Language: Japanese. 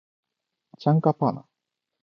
チャンカパーナ